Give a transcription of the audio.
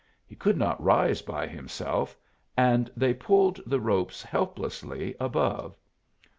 He could not rise by himself, and they pulled the ropes helplessly above.